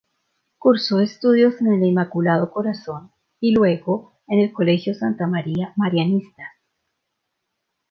Cursó estudios en el Inmaculado Corazón y luego en el Colegio Santa María Marianistas.